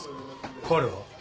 彼は？